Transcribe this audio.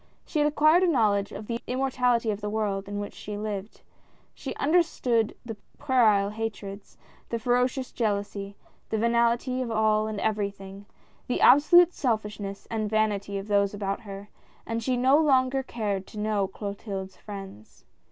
She had acquired a knowledge of the immor ality of the world in which she lived. She understood the puerile hatreds, the ferocious jealousy — the venality of all and everything — the absolute selfishness and LUCIANE. 109 vanity of those about her, and she no longer cared to know Clotilde's friends.